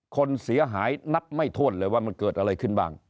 คนเสียหายนับไม่ถ้วนเลยว่ามันเกิดอะไรขึ้นบ้าง